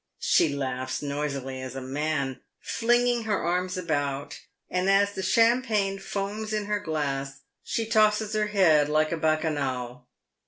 She laughs noisily as a man, flinging her arms about, and as the champagne foams in her glass she tosses her head like a Bacchanal.